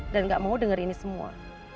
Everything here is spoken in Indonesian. dan gak mau dengerin ini semua